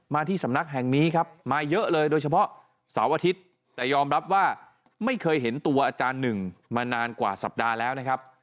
ที่สำนักแห่งนี้ครับมาเยอะเลยโดยเฉพาะเสาร์อาทิตย์แต่ยอมรับว่าไม่เคยเห็นตัวอาจารย์หนึ่งมานานกว่าสัปดาห์แล้วนะครับ